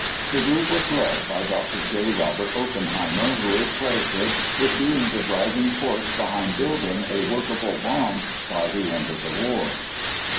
The group was led by Dr. J. Robert Oppenheimer who is credited with being the driving force behind building a workable bomb by the end of the war.